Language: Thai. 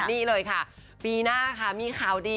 นี่เลยค่ะปีหน้าค่ะมีข่าวดี